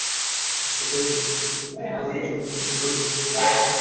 সর্বোপরি পরিবেশকে দূষণ্মুক্ত রাখার জন্য যা গ্রহণ বর্জনের প্রয়োজন তার সবই করতে হবে আমাদের।